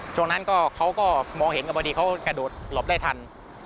ช่วงนั้นเขาก็มองเห็นกันพอดีเขากระโดดหลบได้ทัน